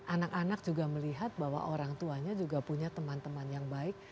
anak anak juga melihat bahwa orang tuanya juga punya teman teman yang baik